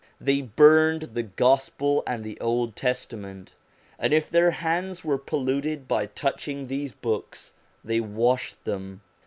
They burned the Gospel and the Old Testament, and if their hands were polluted by touching these books, they washed them.